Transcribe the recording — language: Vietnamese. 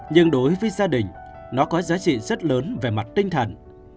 nhưng đối với gia đình nó có giá trị rất lớn về mặt tinh thần